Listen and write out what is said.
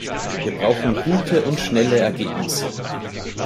Wir brauchen gute und schnelle Ergebnisse!